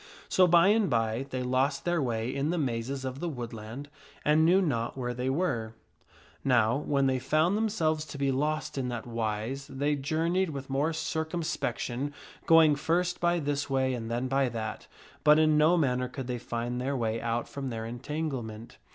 So, by and by, they lost their way in the mazes of the woodland and knew not where they were. Now when they found themselves to be lost in that wise they journeyed with more circumspection, going first by this way and then by that, but in They are lost in no manner could they find their way out from their entangle the forest, ment.